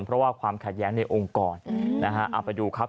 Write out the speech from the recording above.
เพราะว่าความขัดแย้งในองค์กรนะฮะเอาไปดูครับ